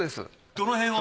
どの辺を。